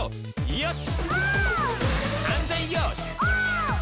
「よし！」